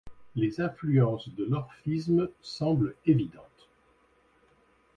Les influences de l'orphisme semblent évidentes.